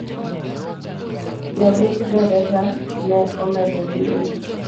Ja lup dereba ne omedo wuoyo.